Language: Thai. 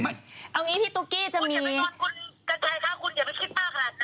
เอาอย่างงี้พี่ตุ๊กกี้จะมีทุกคนอย่าไปห่อนคุณศัตริย์คุณอย่าไปคิดมากขนาดนั้นนะคะ